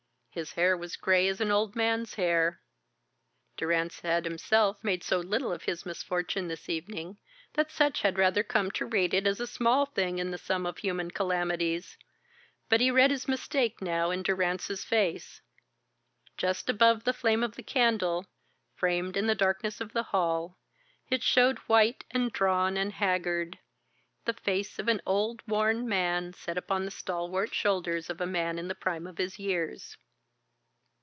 His hair was grey as an old man's hair. Durrance had himself made so little of his misfortune this evening that Sutch had rather come to rate it as a small thing in the sum of human calamities, but he read his mistake now in Durrance's face. Just above the flame of the candle, framed in the darkness of the hall, it showed white and drawn and haggard the face of an old worn man set upon the stalwart shoulders of a man in the prime of his years.